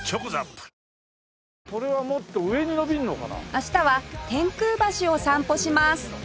明日は天空橋を散歩します